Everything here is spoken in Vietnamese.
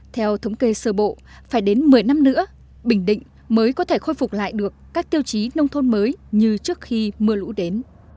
theo thống kê sơ bộ phải đến một mươi năm nữa bình định mới có thể khôi phục lại được các tiêu chí nông thôn mới như trước khi mưa lũ đến